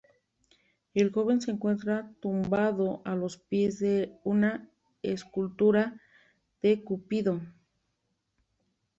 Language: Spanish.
El joven se encuentra tumbado a los pies de una escultura de Cupido.